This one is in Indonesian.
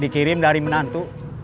dikirim dari menantu